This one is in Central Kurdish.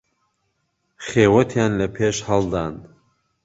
خێوهتیان له پێش ههڵدان